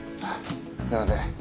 すいません。